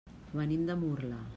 Venim de Murla.